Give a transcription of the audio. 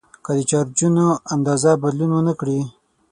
که د چارجونو اندازه بدلون ونه کړي.